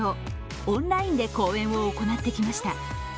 オンラインで公演を行ってきました。